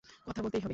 কথা বলতেই হবে!